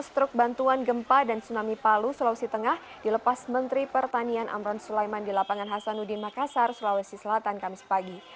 tiga belas truk bantuan gempa dan tsunami palu sulawesi tengah dilepas menteri pertanian amran sulaiman di lapangan hasanuddin makassar sulawesi selatan kamis pagi